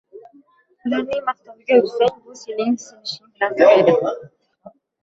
ularning maqtoviga uchsang, bu sening sinishing bilan tugaydi.